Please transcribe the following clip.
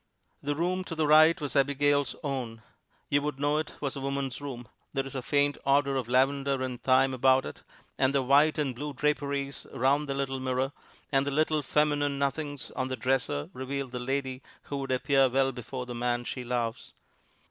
The room to the right was Abigail's own. You would know it was a woman's room. There is a faint odor of lavender and thyme about it, and the white and blue draperies around the little mirror, and the little feminine nothings on the dresser, reveal the lady who would appear well before the man she loves.